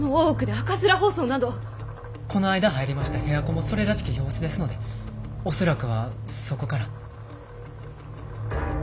この間入りました部屋子もそれらしき様子ですので恐らくはそこから。